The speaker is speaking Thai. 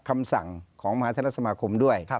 คำสั่งของมหาเทศสมาคมด้วย